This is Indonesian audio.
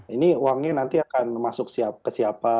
ini uangnya nanti akan masuk ke siapa